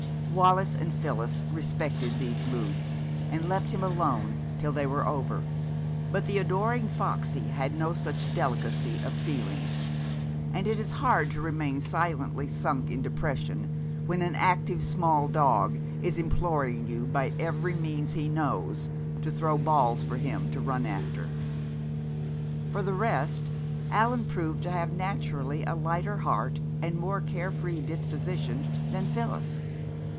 Wallis and Phyllis respected these moods, and left him alone till they were over, but the adoring Foxy had no such delicacy of feeling. And it is hard to remain silently sunk in depression when an active small dog is imploring you by every means he knows to throw balls for him to run after. For the rest, Allan proved to have naturally a lighter heart and more carefree disposition than Phyllis.